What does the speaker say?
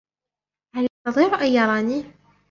هل يستطيع أن يراني ؟